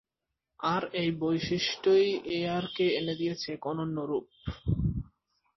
আর এই বৈশিষ্ট্যই এআর-কে এনে দিয়েছে এক অনন্য রূপ।